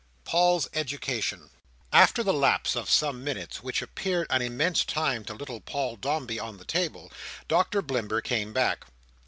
Paul's Education After the lapse of some minutes, which appeared an immense time to little Paul Dombey on the table, Doctor Blimber came back.